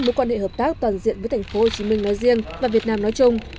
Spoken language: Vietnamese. mối quan hệ hợp tác toàn diện với tp hcm nói riêng và việt nam nói chung